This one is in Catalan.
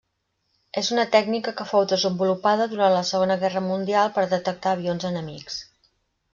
És una tècnica que fou desenvolupada durant la Segona Guerra Mundial per detectar avions enemics.